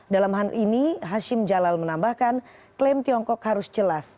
dalam hal ini hashim jalal menambahkan klaim tiongkok harus jelas